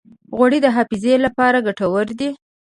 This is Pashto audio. غوړې د حافظې لپاره ګټورې دي.